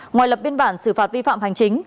ngoài lập biên bản xử phạt vi phạm hành chính